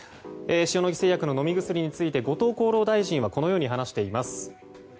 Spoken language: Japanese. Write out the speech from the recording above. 塩野義製薬の飲み薬について後藤厚労大臣はこのように話しています。